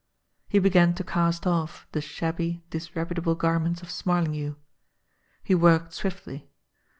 He began to cast off the shabby, disreputable garments of Smarlinghue. He worked swiftly.